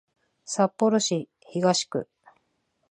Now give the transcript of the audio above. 札幌市東区